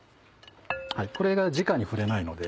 これがじかに触れないので。